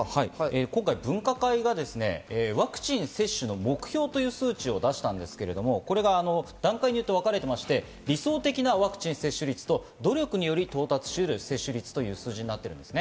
今回、分科会がワクチン接種の目標という数値を出したんですが、これが段階によってわかれており、理想的な接種率と、努力により到達しうる接種率なんです。